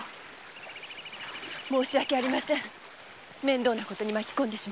申し訳ありません。